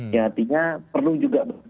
yang artinya perlu juga